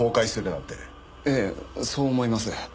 ええそう思います。